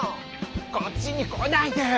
こっちにこないで！